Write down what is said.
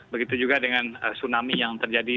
begitu juga dengan tsunami yang terjadi